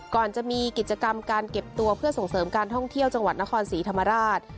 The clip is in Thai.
ก่อนจะมีกิจกรรมการเก็บตัวเพื่อส่งเสริมการท่องเที่ยวจังหวัดนครศรีธรรมราช